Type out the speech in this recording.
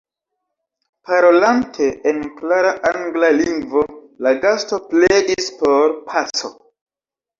Parolante en klara angla lingvo, la gasto pledis por paco.